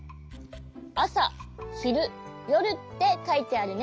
「あさ」「ひる」「よる」ってかいてあるね。